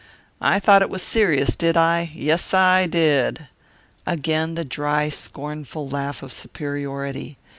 I thought it was serious, did I? Yes, I did!" Again the dry, scornful laugh of superiority.